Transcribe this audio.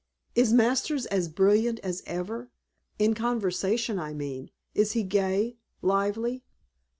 "Is Masters as brilliant as ever in conversation, I mean? Is he gay? Lively?"